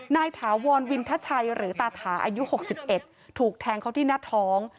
ถาวรวินทชัยหรือตาถาอายุ๖๑ถูกแทงเขาที่หน้าท้อง